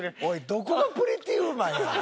どこが『プリティ・ウーマン』や？